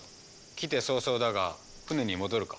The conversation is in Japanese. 来て早々だが船に戻るか。